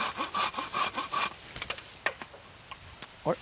あれ？